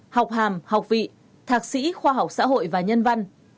học hàm học vị thạc sĩ khoa học xã hội và nhân văn